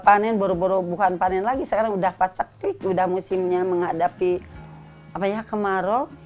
panen boroboro bukan panen lagi sekarang udah pacak tik udah musimnya menghadapi apanya kemarau